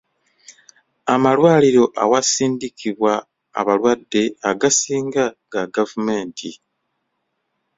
Amalwaliro awasindikibwa abalwadde agasinga ga gavumenti.